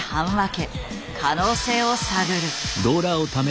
可能性を探る。